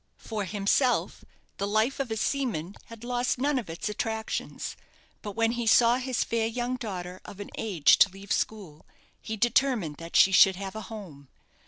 For himself, the life of a seaman had lost none of its attractions. But when he saw his fair young daughter of an age to leave school, he determined that she should have a home.